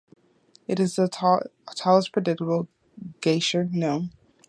It is the tallest predictable geyser known.